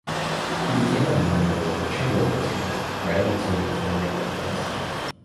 He became a member of local chamber orchestras, writing material for their repertoires.